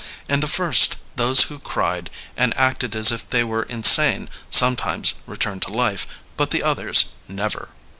And the first, those who cried and acted as if they were insane, sometimes returned to life, but the others, never.''